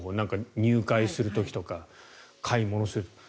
入会する時とか買い物する時とか。